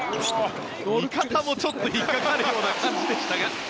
味方もちょっと引っかかるような感じでしたが。